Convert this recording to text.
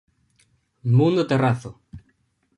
Mundo Terrazo